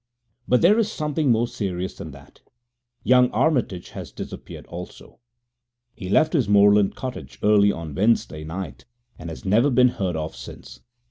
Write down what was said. But there is something more serious than that. Young Armitage has disappeared also. He left his moorland cottage early on Wednesday night and has never been heard of since.